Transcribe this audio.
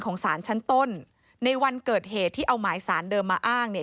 สารชั้นต้นในวันเกิดเหตุที่เอาหมายสารเดิมมาอ้างเนี่ย